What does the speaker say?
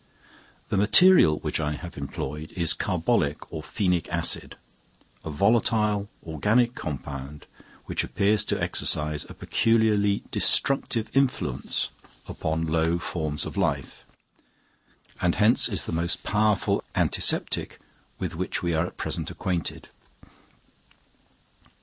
The material which I have employed is carbolic or phenic acid, a volatile organic compound, which appears to exercise a peculiarly destructive influence upon low forms of life, and hence is the most powerful antiseptic with which we are at present acquainted.